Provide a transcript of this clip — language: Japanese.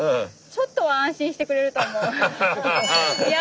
やっと安心してくれると思う。